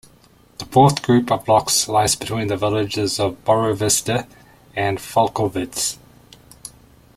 The fourth group of rocks lies between the villages of Borovitsa and Falkovets.